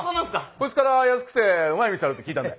こいつから安くてうまい店あるって聞いたんで。